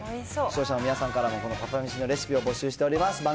視聴者の皆さんからも、このパパめしのレシピを募集しております。